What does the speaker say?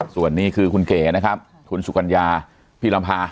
ส่วนนี้คือคุณเก๋นะครับคุณสุกัญญาพี่ลำพา